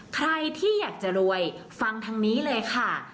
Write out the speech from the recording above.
ใครที่อยากจะรวยฟังทางนี้เลยค่ะ